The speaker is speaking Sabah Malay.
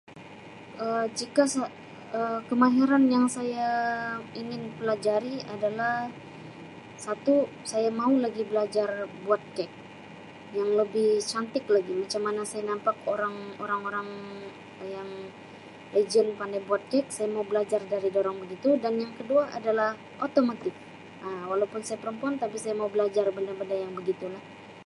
Um Jika Um kemahiran yang saya ingin pelajari adalah satu saya mau lagi belajar buat kek yang lebih cantik lagi macam mana saya nampak orang orang-orang yang legend pandai buat kek saya mau belajar dari dorang begitu dan yang kedua adalah Automotive Um walaupun saya perempuan tapi saya mau belajar benda benda yang begitu lah.